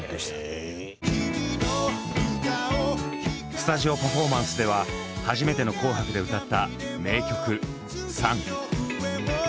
スタジオパフォーマンスでは初めての「紅白」で歌った名曲「ＳＵＮ」。